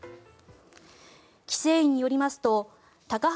規制委によりますと高浜